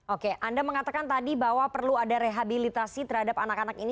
oke anda mengatakan tadi bahwa perlu ada rehabilitasi terhadap anak anak ini